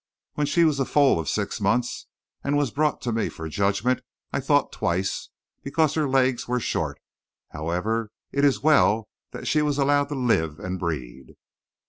"When she was a foal of six months and was brought to me for judgment, I thought twice, because her legs were short. However, it is well that she was allowed to live and breed."